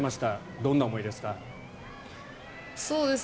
どんな思いですか？